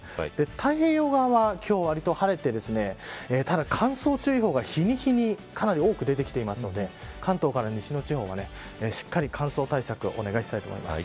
太平洋側は今日、わりと晴れてただ、乾燥注意報が日に日に、かなり大きく多く出てきているので関東から西の地方は、しっかり乾燥対策をお願いします。